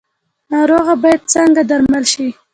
ناروغه باید څنګه درمل شي؟